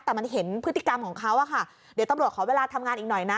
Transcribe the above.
แต่มันเห็นพฤติกรรมของเขาอะค่ะเดี๋ยวตำรวจขอเวลาทำงานอีกหน่อยนะ